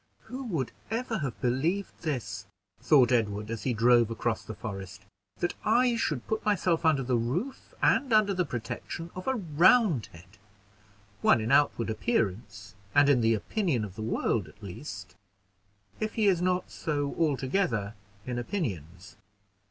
"Who would ever have believed this?" thought Edward, as he drove across the forest, "that I should put myself under the roof and under the protection of a Roundhead one in outward appearance, and in the opinion of the world at least, if he is not so altogether in opinions.